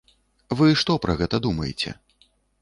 Вы што пра гэта думаеце?